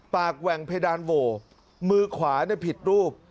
แหว่งเพดานโหวมือขวาผิดรูป